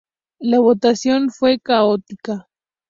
La votación fue caótica.